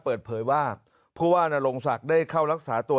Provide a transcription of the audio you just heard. เปิดเผยว่าผู้ว่านรงศักดิ์ได้เข้ารักษาตัว